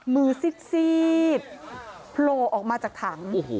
มือซีดโผล่ออกมาจากถัง